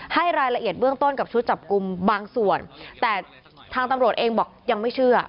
ให้รายละเอียดเบื้องต้นกับชุดจับกลุ่มบางส่วนแต่ทางตำรวจเองบอกยังไม่เชื่อ